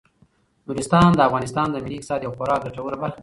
نورستان د افغانستان د ملي اقتصاد یوه خورا ګټوره برخه ده.